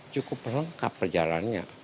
cukup lengkap perjalannya